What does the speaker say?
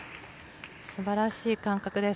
すばらしい感覚です。